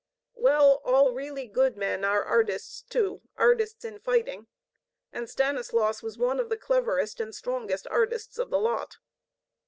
Well, all really good men are artists too; artists in fighting. And Stanislaus was one of the cleverest and strongest artists of the lot.